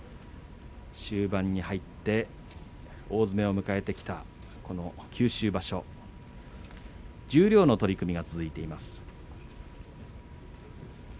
終盤に入って大詰めを迎えてきた九州場所十両の取組が続いています。